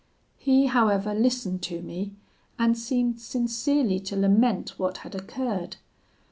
He, however, listened to me, and seemed sincerely to lament what had occurred.